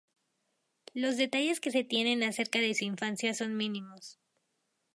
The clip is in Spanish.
Los detalles que se tienen acerca de su infancia son mínimos.